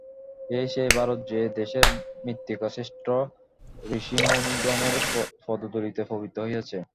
এই সেই ভারত, যে দেশের মৃত্তিকা শ্রেষ্ঠ ঋষিমুনিগণের পদধূলিতে পবিত্র হইয়াছে।